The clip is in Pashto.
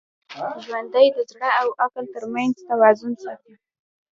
ژوندي د زړه او عقل تر منځ توازن ساتي